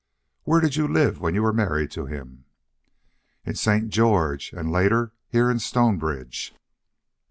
"Where did you live when you were married to him?" "In St. George, and later here in Stonebridge."